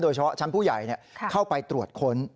เฉพาะชั้นผู้ใหญ่เข้าไปตรวจค้น